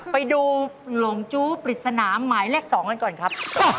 ไปดูหลงจู้ปริศนาหมายเลข๒กันก่อนครับ